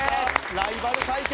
ライバル対決！